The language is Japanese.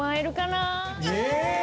え！